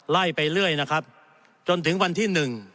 ไล่ไปเรื่อยนะครับจนถึงวันที่หนึ่ง